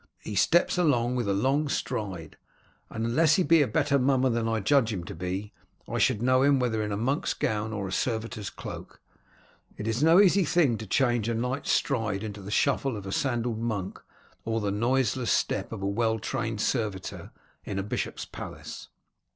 He steps along with a long stride, and unless he be a better mummer than I judge him to be, I should know him whether in a monk's gown or a servitor's cloak. It is no easy thing to change a knight's stride into the shuffle of a sandalled monk, or the noiseless step of a well trained servitor in a bishop's palace."